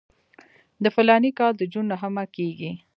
د فلاني کال د جون نهمه کېږي.